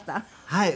はい。